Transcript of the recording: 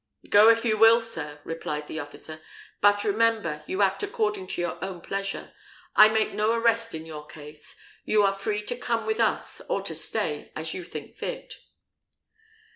"Go if you will, sir," replied the officer; "but remember, you act according to your own pleasure; I make no arrest in your case: you are free to come with us or to stay, as you think fit."